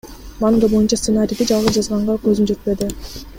Манга боюнча сценарийди жалгыз жазганга көзүм жетпеди.